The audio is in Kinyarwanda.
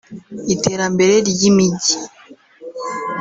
iterambere ry’imijyi